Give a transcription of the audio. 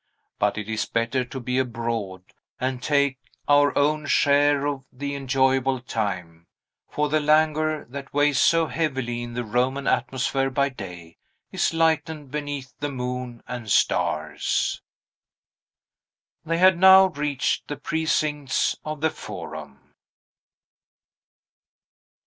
But it is better to be abroad, and take our own share of the enjoyable time; for the languor that weighs so heavily in the Roman atmosphere by day is lightened beneath the moon and stars. They had now reached the precincts of the Forum.